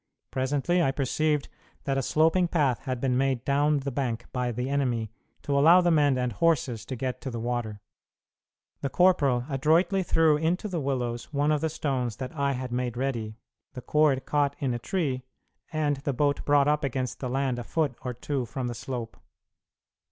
Presently I perceived that a sloping path had been made down the bank by the enemy to allow the men and horses to get to the water. The corporal adroitly threw into the willows one of the stones that I had made ready, the cord caught in a tree, and the boat brought up against the land a foot or two from the slope.